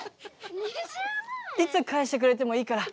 いつ返してくれてもいいから。